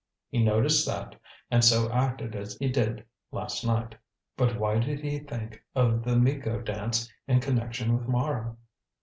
He noticed that, and so acted as he did last night." "But why did he think of the Miko dance in connection with Mara?"